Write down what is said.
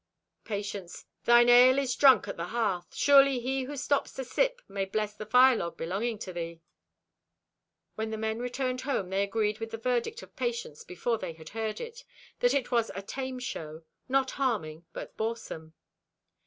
Patience.—"Thine ale is drunk at the hearth. Surely he who stops to sip may bless the firelog belonging to thee." When the men returned home they agreed with the verdict of Patience before they had heard it, that it was a "tame" show, "not harming, but boresome."